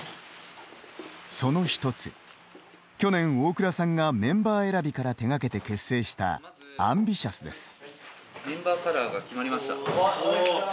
その一つ、去年、大倉さんがメンバー選びから手がけて結成したＡｍＢｉｔｉｏｕｓです。